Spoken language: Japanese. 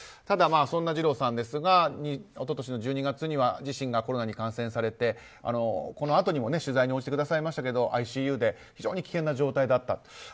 ただそんな二郎さんですが一昨年の１２月には自身がコロナに感染されてこのあとにも取材に応じてくださいましたけどＩＣＵで非常に危険な状態だったと。